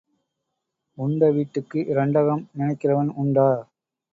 உண்ட வீட்டுக்கு இரண்டகம் நினைக்கிறவன் உண்டா?